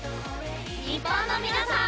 日本の皆さん